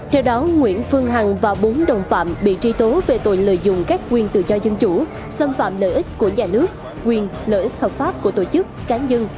theo đó nguyễn phương hằng và bốn đồng phạm bị truy tố về tội lợi dụng các quyền tự do dân chủ xâm phạm lợi ích của nhà nước quyền lợi ích hợp pháp của tổ chức cá nhân